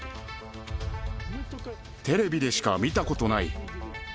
テレビでしか見たことない。